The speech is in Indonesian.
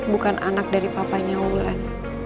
bukan anak dari papanya wulan